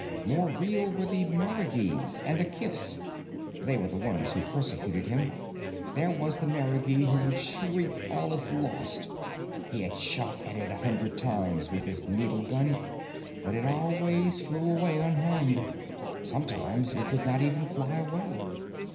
More real were the marigees and the kifs. They were the ones who persecuted him. There was the marigee who would shriek "All is lost!" He had shot at it a hundred times with his needle gun, but always it flew away unharmed. Sometimes it did not even fly away.